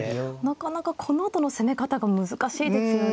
なかなかこのあとの攻め方が難しいですよね。